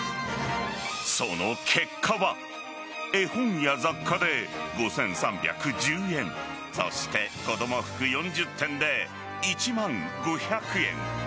その結果は絵本や雑貨で５３１０円そして子供服４０点で１万５００円。